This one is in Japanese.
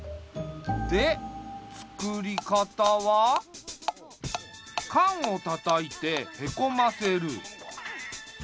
でつくり方は。かんをたたいてへこませる。